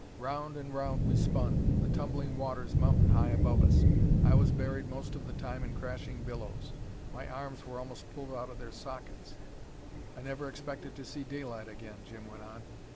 Round and round we spun, the tumbling waters mountain high above us. I was buried most of the time in crashing billows; my arms were almost pulled out of their sockets. "I never expected to see daylight again," Jim went on.